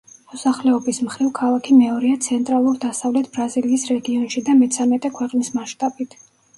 მოსახლეობის მხრივ ქალაქი მეორეა ცენტრალურ-დასავლეთ ბრაზილიის რეგიონში და მეცამეტე ქვეყნის მასშტაბით.